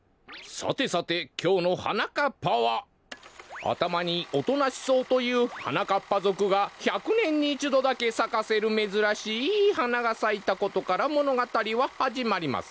さてさてきょうの「はなかっぱ」はあたまに音なし草というはなかっぱぞくが１００ねんにいちどだけさかせるめずらしいはながさいたことからものがたりははじまります。